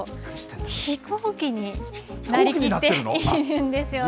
飛行機になりきっているんですよね。